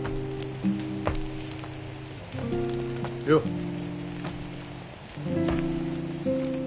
よっ。